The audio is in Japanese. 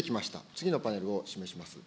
次のパネルを示します。